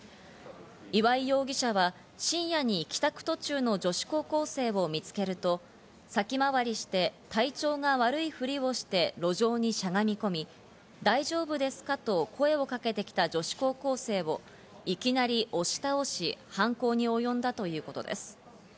岩井容疑者は深夜に帰宅途中の女子高校生を見つけると、先回りして、体調が悪いふりをして路上にしゃがみこみ、大丈夫ですか？と声をかけてきた女子高校生をいきなり押し倒し、犯行に及んだということです。